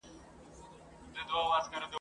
پرنګیانو د جګړې ډګر ته خپل پوځونه واستول.